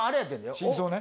真相ね。